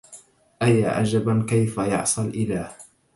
أيا عجبا كيف يعصي الإله